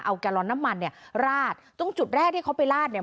เอาแกลลอนน้ำมันเนี่ยราดตรงจุดแรกที่เขาไปลาดเนี่ย